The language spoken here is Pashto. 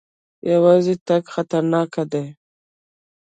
یوازې تګ خطرناک دی.